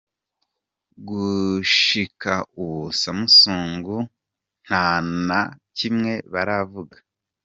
Gushika ubu Samsung nta na kimwe baravuga.